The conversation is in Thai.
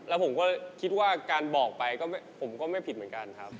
แล้วผมก็คิดว่าการบอกไปผมก็ไม่ผิดเหมือนกันครับ